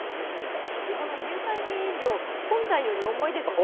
乳酸菌飲料、本体より重いですよね。